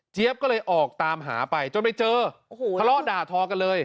เจี๊ยบก็เลยออกตามหาไปจนไปเจอคล่อด่าท้อกันเลย